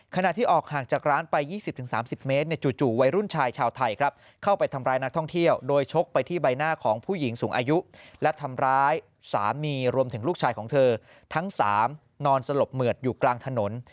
ขณะที่ออกห่างจากร้านไป๒๐๓๐เมตรจู่วัยรุ่นชายชาวไทยครับเข้าไปทำร้ายนักท่องเที่ยวโดยชกไปที่ใบหน้าของผู้หญิงสูงอายุและทำร้ายสามีรวมถึงลูกชายของเธอทั้ง๓นอนสลบเหมือดอยู่กลางถนน